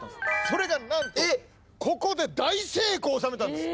それがなんとここで大成功を収めたんです！